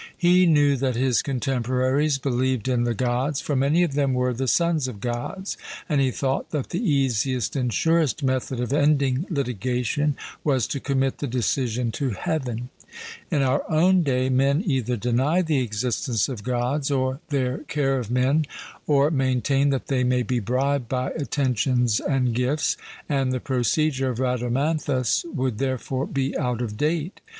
He knew that his contemporaries believed in the Gods, for many of them were the sons of Gods; and he thought that the easiest and surest method of ending litigation was to commit the decision to Heaven. In our own day, men either deny the existence of Gods or their care of men, or maintain that they may be bribed by attentions and gifts; and the procedure of Rhadamanthus would therefore be out of date.